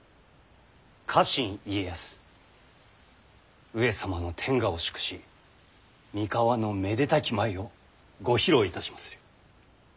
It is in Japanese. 家臣家康上様の天下を祝し三河のめでたき舞をご披露いたしまする。